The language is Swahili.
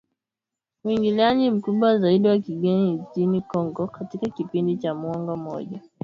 Uingiliaji mkubwa zaidi wa kigeni nchini Kongo katika kipindi cha muongo mmoja kando na operesheni ya kulinda amani ya Umoja wa mataifa